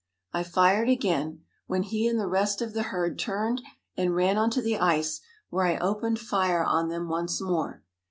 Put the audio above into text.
I fired again, when he and the rest of the herd turned and ran on to the ice, where I opened fire on them once more.